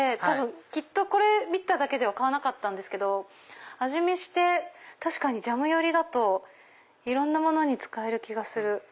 きっとこれ見ただけでは買わなかったんですけど味見して確かにジャム寄りだといろんなものに使える気がする。